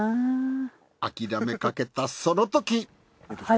諦めかけたそのとき。